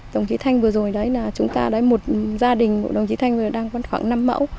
đồng chí thanh vừa rồi đấy là chúng ta đấy một gia đình của đồng chí thanh đang khoảng năm mẫu